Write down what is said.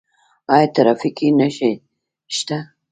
آیا ټرافیکي نښې شته؟